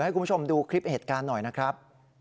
ให้คุณผู้ชมดูคลิปเหตุการณ์หน่อยนะครับ